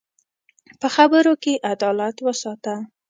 په خبرو کې عدالت وساته